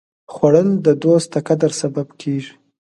خوړل د دوست د قدر سبب کېږي